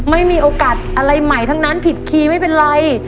ไม่มีโอกาสอะไรใหม่ทั้งนั้นผิดคีย์ไม่เป็นไร